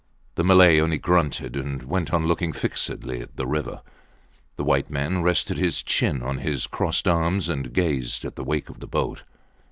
The Malay only grunted, and went on looking fixedly at the river. The white man rested his chin on his crossed arms and gazed at the wake of the boat.